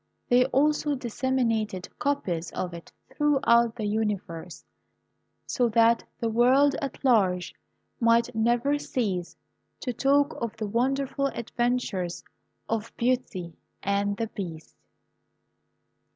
They also disseminated copies of it throughout the Universe, so that the world at large might never cease to talk of the wonderful adventures of Beauty and the Beast.